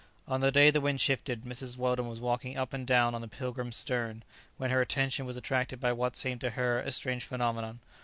On the day the wind shifted, Mrs. Weldon was walking up and down on the "Pilgrim's" stern, when her attention was attracted by what seemed to her a strange phenomenon.